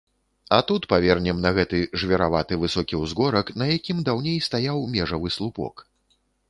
А тут павернем на гэты жвіраваты высокі ўзгорак, на якім даўней стаяў межавы слупок.